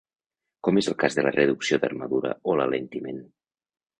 Com és el cas de la reducció d'armadura o l'alentiment.